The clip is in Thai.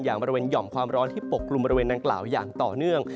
บริเวณหย่อมความร้อนที่ปกลุ่มบริเวณดังกล่าวอย่างต่อเนื่อง